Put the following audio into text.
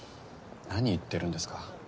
何言ってるんですか。